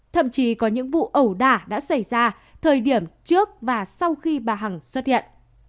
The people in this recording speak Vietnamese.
thậm chí có những vụ ẩu đả đã xảy ra thời điểm trước và sau khi bà hằng xuất hiện